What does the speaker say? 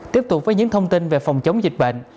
tiếp tục với những thông tin về phòng chống dịch bệnh